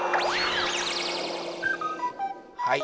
はい！